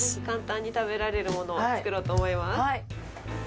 簡単に食べられるものを作ろうと思います。